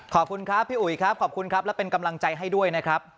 ขอบคุณครับพี่อุ๋ยครับขอบคุณครับและเป็นกำลังใจให้ด้วยนะครับ